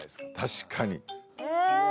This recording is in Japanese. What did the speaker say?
確かにえ